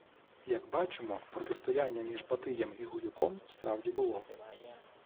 Як бачимо, протистояння між Батиєм і Гуюком справді було